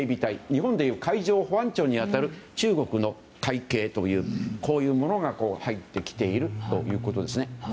日本でいう海上保安庁に当たる中国の海警というこういうものが入ってきているということですね。